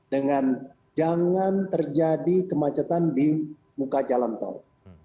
dengan jangan terjadi kemacetan di muka jalan tol